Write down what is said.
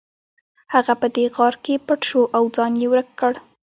هغه په دې غار کې پټ شو او ځان یې ورک کړ